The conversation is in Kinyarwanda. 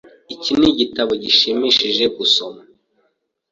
Iki nigitabo gishimishije gusoma.